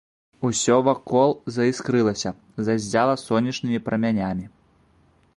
Усё вакол заіскрылася, заззяла сонечнымі прамянямі.